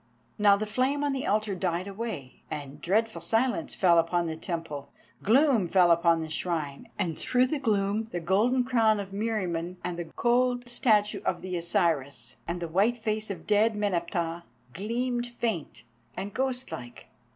Now the flame on the altar died away, and dreadful silence fell upon the Temple, gloom fell upon the Shrine, and through the gloom the golden crown of Meriamun, and the cold statue of the Osiris, and the white face of dead Meneptah gleamed faint and ghost like.